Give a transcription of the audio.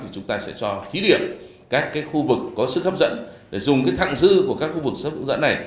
chúng ta sẽ cho khí điểm các cái khu vực có sức hấp dẫn để dùng cái thẳng dư của các khu vực sức hấp dẫn này